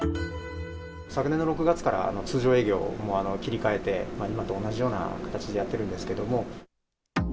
昨年の６月から通常営業、もう切り替えて、今と同じような形でやってるんですけども。